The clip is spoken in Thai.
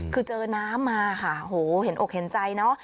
คือเจอน้ำมาค่ะโหเห็นอกเห็นใจเนอะ